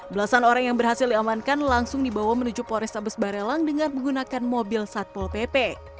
belasan orang yang berhasil diamankan langsung dibawa menuju polrestabes barelang dengan menggunakan mobil satpol pp